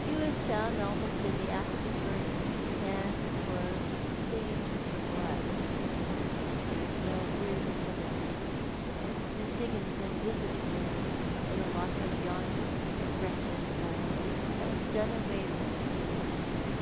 He was found almost in the act of murder —his hands and clothes stained with her blood. There is no room for doubt. Mi.ss Iligginson visited him in tlie lock up yonder— a wretched hole that was done away with soon after.